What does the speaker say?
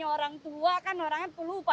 orang tua kan orangnya lupa